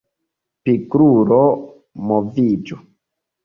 Pigrulo moviĝu!